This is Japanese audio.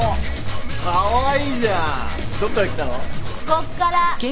こっから。